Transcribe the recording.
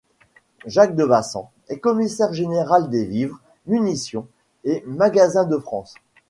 Jacques de Vassan est Commissaire général des vivres, munitions et magasins de France.